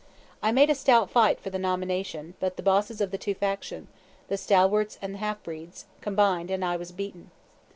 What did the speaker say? I made a stout fight for the nomination, but the bosses of the two factions, the Stalwarts and the Half Breeds, combined and I was beaten.